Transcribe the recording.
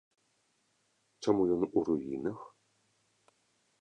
Чаму ён у руінах?